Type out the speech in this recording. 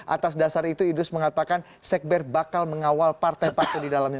atas dasar itu idrus mengatakan sekber bakal mengawal partai partai di dalamnya